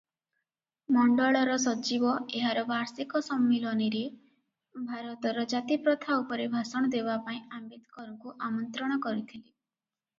ମଣ୍ଡଳର ସଚିବ ଏହାର ବାର୍ଷିକ ସମ୍ମିଳନୀରେ ଭାରତର ଜାତିପ୍ରଥା ଉପରେ ଭାଷଣ ଦେବା ପାଇଁ ଆମ୍ବେଦକରଙ୍କୁ ଆମନ୍ତ୍ରଣ କରିଥିଲେ ।